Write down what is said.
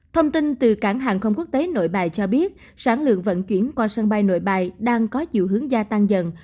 thông tin từ cảng hàng không quốc tế nội bài cho biết sản lượng vận chuyển qua sân bay nội bài đang có chiều hướng gia tăng dần